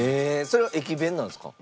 それは駅弁なんですか？